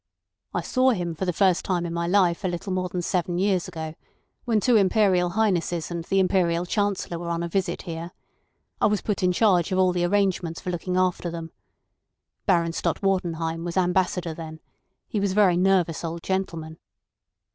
"I saw him for the first time in my life a little more than seven years ago, when two Imperial Highnesses and the Imperial Chancellor were on a visit here. I was put in charge of all the arrangements for looking after them. Baron Stott Wartenheim was Ambassador then. He was a very nervous old gentleman.